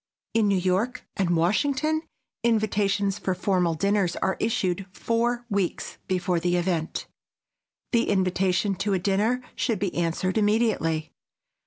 In New York and Washington, invitations for formal dinners are issued four weeks before the event. The invitation to a dinner should be answered immediately.